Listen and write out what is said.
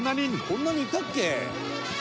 伊達：こんなにいたっけ？